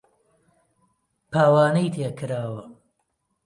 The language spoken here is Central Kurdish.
پاوانەی تێ کراوە